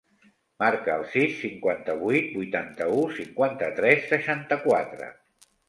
Marca el sis, cinquanta-vuit, vuitanta-u, cinquanta-tres, seixanta-quatre.